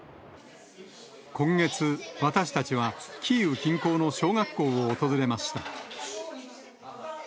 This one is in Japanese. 今月、私たちはキーウ近郊の小学校を訪れました。